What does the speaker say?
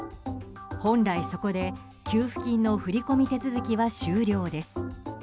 本来そこで給付金の振り込み手続きは終了です。